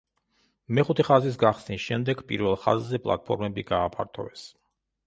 მეხუთე ხაზის გახსნის შემდეგ პირველ ხაზზე პლატფორმები გააფართოვეს.